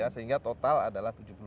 sehingga total adalah